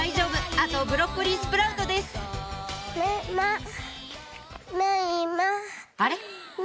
あとブロッコリースプラウトですあれ？